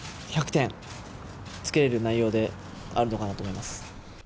１００点、つけれる内容で、あるのかなと思います。